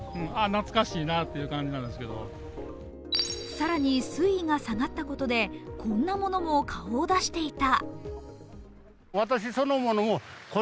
更に、水位が下がったことでこんなものも顔を出していた。